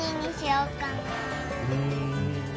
うん。